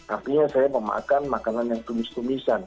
artinya saya memakan makanan yang tumis tumisan